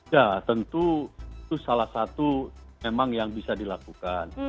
ya tentu itu salah satu memang yang bisa dilakukan